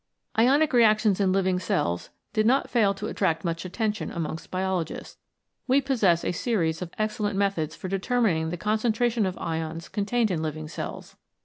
Ionic reactions in living cells did not fail to attract much attention amongst biologists. We possess a series of excellent methods for deter mining the concentration of ions contained in living cells.